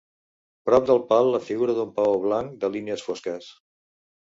Prop del pal la figura d'un paó blanc de línies fosques.